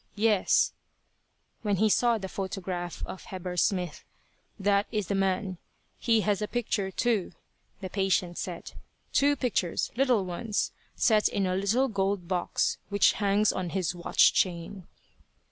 "Yes," when he saw the photograph of Heber Smith, "that is the man. He has a picture, too," the patient said, "two pictures, little ones, set in a little gold box which hangs on his watch chain."